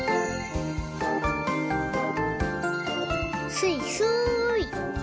すいすい。